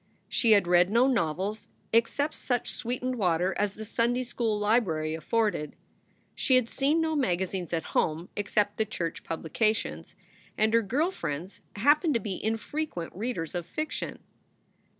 She had read no novels except such sweetened water as the Sunday school library afforded. She had seen no maga zines at home except the church publications; and her girl friends happened to be infrequent readers of fiction.